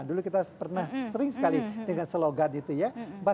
dulu kita pernah sering sekali dengan slogan itu ya